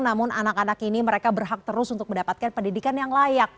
namun anak anak ini mereka berhak terus untuk mendapatkan pendidikan yang layak